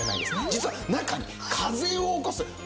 実は中に風を起こすファン